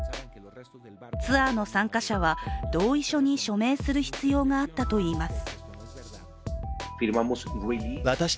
ツアーの参加者は、同意書に署名する必要があったといいます。